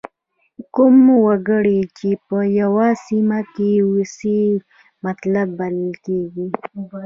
کوم وګړي چې په یوه سیمه کې اوسي ملت بلل کیږي.